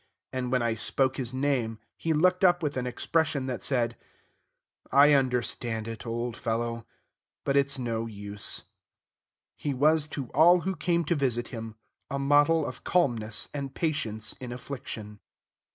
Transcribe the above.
And when I spoke his name, he looked up with an expression that said, "I understand it, old fellow, but it's no use." He was to all who came to visit him a model of calmness and patience in affliction.